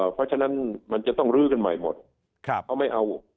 เพราะฉะนั้นมันจะต้องลื้อกันใหม่หมดเขาไม่เอา